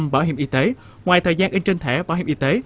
bảo hiểm y tế ngoài thời gian in trên thẻ bảo hiểm y tế